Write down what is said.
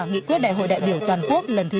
nghị quyết đại hội đại biểu toàn quốc lần thứ chín